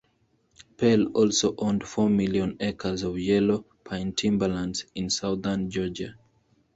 Pell also owned four million acres of Yellow Pine timber lands in Southern Georgia.